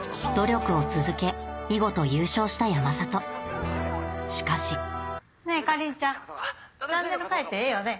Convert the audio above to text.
努力を続け見事優勝した山里しかしねぇ花鈴ちゃんチャンネル変えてええよね？